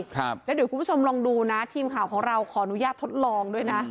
ครับแล้วเดี๋ยวคุณผู้ชมลองดูนะทีมข่าวของเราขออนุญาตทดลองด้วยนะ